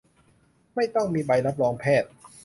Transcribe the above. ไม่ต้องมีใบรับรองแพทย์ !